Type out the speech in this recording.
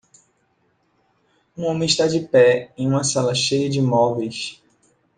Um homem está de pé em uma sala cheia de móveis.